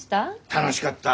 楽しかった。